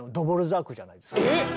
えっ！